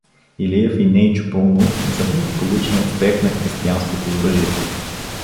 Илиев и Нейчо Паунов за благополучния успех на християнското оръжие.